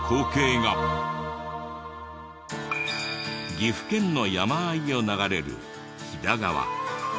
岐阜県の山あいを流れる飛騨川。